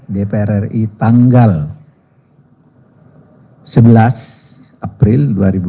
dpr ri tanggal sebelas april dua ribu dua puluh